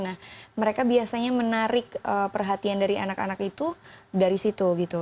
nah mereka biasanya menarik perhatian dari anak anak itu dari situ gitu